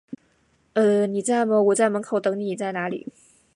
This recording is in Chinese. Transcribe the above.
呃…你在吗，我在门口等你，你在哪里？